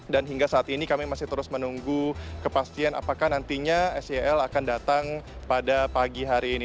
dan hingga saat ini kami masih terus menunggu kepastian apakah nantinya sel akan datang pada pagi hari ini